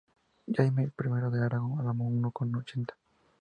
Jaime I de Aragón armó uno con ochenta.